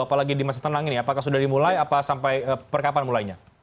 apalagi di masa tenang ini apakah sudah dimulai atau sampai perkapan mulainya